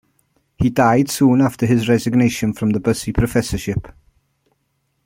He died soon after his resignation from the Bussey professorship.